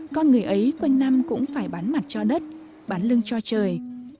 con người ấy quanh năm cũng phải bắn mặt cho đất bắn lưng cho trời